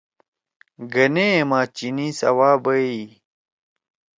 گنے ما چینی سوابئی۔